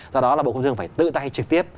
do đó là bộ công thương phải tự tay trực tiếp